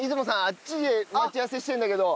あっちで待ち合わせしてるんだけど。